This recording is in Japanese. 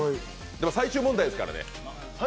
最終問題ですからね